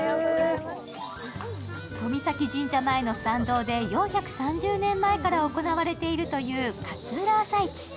遠見岬神社前の参道で４３０年前から行われているという勝浦朝市。